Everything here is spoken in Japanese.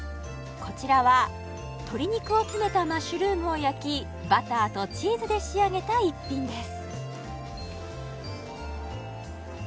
こちらは鶏肉を詰めたマッシュルームを焼きバターとチーズで仕上げた逸品です